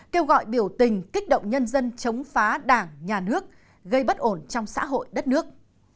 kêu gọi biểu tình kích động nhân dân chống phá đảng nhà nước gây bất ổn trong xã hội đất nước